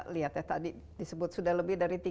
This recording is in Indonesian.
lihat ya tadi disebut sudah lebih dari